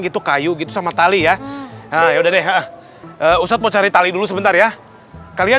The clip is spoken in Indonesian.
gitu kayu gitu sama tali ya yaudah deh ustadz mau cari tali dulu sebentar ya kalian